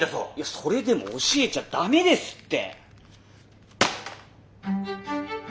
それでも教えちゃダメですって！